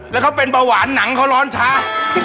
แล้วเขาเป็นเบาหวานหนังเขาร้อนช้า